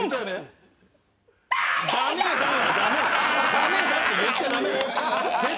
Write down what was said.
「ダメだ」って言っちゃダメ。